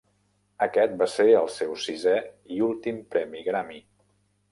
Aquest va ser el seu sisè i últim premi Grammy.